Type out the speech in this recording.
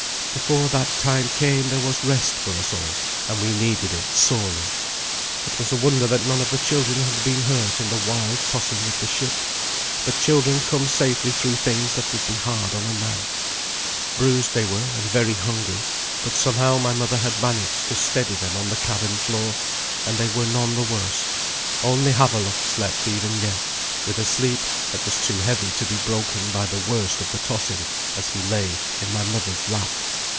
Before that time came there was rest for us all, and we needed it sorely. It was a wonder that none of the children had been hurt in the wild tossing of the ship, but children come safely through things that would be hard on a man. Bruised they were and very hungry, but somehow my mother had managed to steady them on the cabin floor, and they were none the worse, only Havelok slept even yet with a sleep that was too heavy to be broken by the worst of the tossing as he lay in my mother's lap.